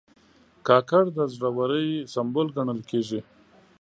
کاکړ د زړه ورۍ سمبول ګڼل کېږي.